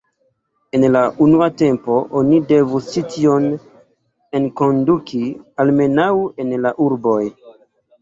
En la unua tempo oni devus ĉi tion enkonduki almenaŭ en la urboj.